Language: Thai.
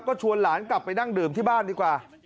ก็ชวนหลานกลับไปนั่งดื่มที่บ้านดีกว่า